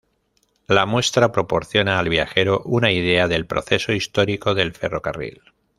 La muestra proporciona al viajero una idea del Proceso Histórico del Ferrocarril.